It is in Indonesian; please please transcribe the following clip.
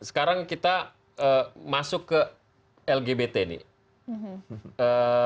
sekarang kita masuk ke lgbt nih